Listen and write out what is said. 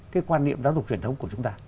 cái quan niệm giáo dục truyền thống của chúng ta